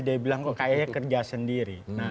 dia bilang kok kayaknya kerja sendiri